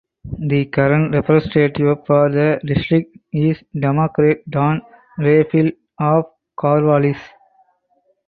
The current representative for the district is Democrat Dan Rayfield of Corvallis.